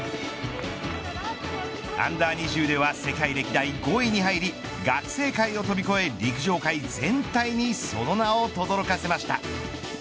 Ｕ２０では世界歴代５位に入り学生会を飛び越え陸上界全体にその名をとどろかせました。